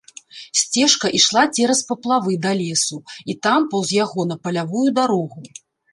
Сцежка ішла цераз паплавы да лесу і там паўз яго на палявую дарогу.